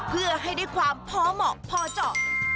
เพื่อให้ได้ความพอเหมาะพอเจาะ